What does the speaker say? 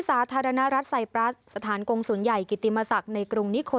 สาธารณรัฐไซปรัสสถานกงศูนย์ใหญ่กิติมศักดิ์ในกรุงนิโค